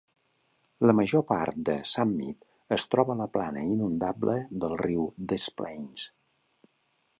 La major part de "Summit" es troba a la plana inundable del riu Des Plaines.